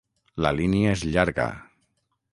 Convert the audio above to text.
La línia és llarga.